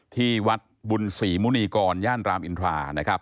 ที่วัดบุญศรีมุณีกรย่านรามอินทรานะครับ